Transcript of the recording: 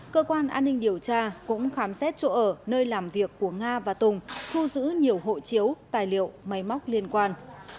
cơ quan an ninh điều tra cũng khám xét chỗ ở nơi làm việc của nga và tùng thu giữ nhiều hộ chiếu tài liệu máy móc liên quan